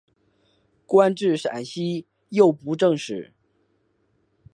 官至陕西右布政使。